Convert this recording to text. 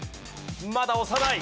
まだ押さない。